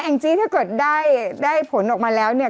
งจี้ถ้าเกิดได้ผลออกมาแล้วเนี่ย